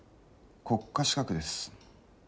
国家資格です。